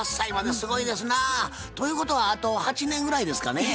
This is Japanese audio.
すごいですなぁ。ということはあと８年ぐらいですかねぇ。